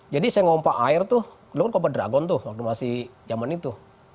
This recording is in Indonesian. jadi saya ngomong pak air tuh lo kan kawan pak dragon tuh waktu masih zaman itu